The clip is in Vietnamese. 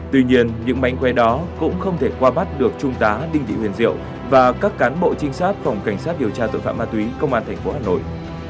tuy nhiên những mánh que đó cũng không thể qua bắt được trung tá đinh thị huyền diệu và các cán bộ trinh sát phòng cảnh sát điều tra tội phạm ma túy công an tp hà nội